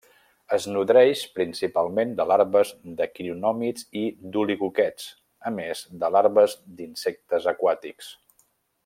Es nodreix principalment de larves de quironòmids i d'oligoquets, a més de larves d'insectes aquàtics.